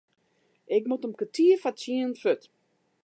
Ik moat om kertier foar tsienen fuort.